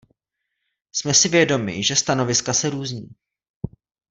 Jsme si vědomi, že stanoviska se různí.